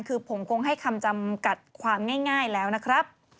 คือผมคงให้คำจำกัดความง่ายแล้วนะครับ